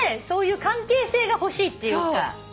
そういう関係性が欲しいっていうか。